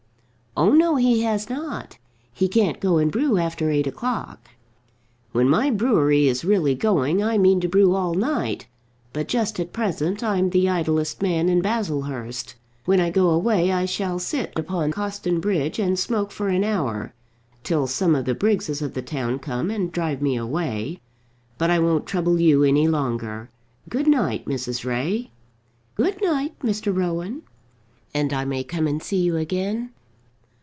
"Oh no, he has not. He can't go and brew after eight o'clock." "When my brewery is really going, I mean to brew all night; but just at present I'm the idlest man in Baslehurst. When I go away I shall sit upon Cawston Bridge and smoke for an hour, till some of the Briggses of the town come and drive me away. But I won't trouble you any longer. Good night, Mrs. Ray." "Good night, Mr. Rowan." "And I may come and see you again?"